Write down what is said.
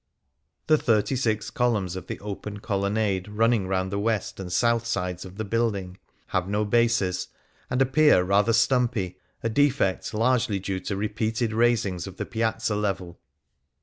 The thirty six columns of the open colonnade running round the west and south sides of the building have no bases, and appear rather stumpy, a defect largely due to repeated raisings of the Piazza level.